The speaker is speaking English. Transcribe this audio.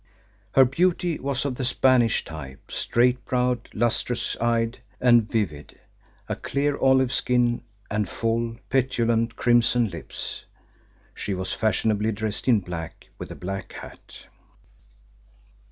Her beauty was of the Spanish type: straight browed, lustrous eyed, and vivid; a clear olive skin, and full, petulant, crimson lips. She was fashionably dressed in black, with a black hat.